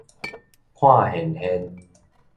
看現現